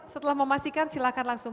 setelah memastikan silahkan langsung